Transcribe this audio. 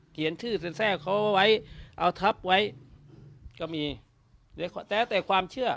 เขียนชื่อเซ็นแทร่เขาไว้เอาทับไว้ก็มีแล้วแต่ความเชื่อ